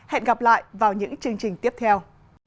hẹn gặp lại vào những chương trình tiếp theo